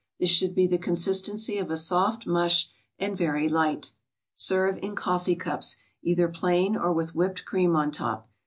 This should be the consistency of a soft mush and very light. Serve in coffee cups, either plain or with whipped cream on top.